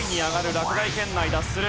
落第圏内脱する。